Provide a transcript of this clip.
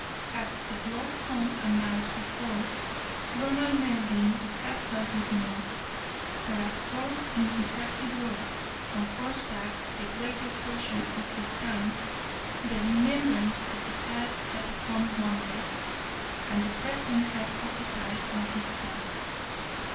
Had the blow come a month before, Ronald Mervyn would have felt it more, for absorbed in his active work, on horseback the greater portion of his time, the remembrance of the past had become blunted, and the present had occupied all his thoughts.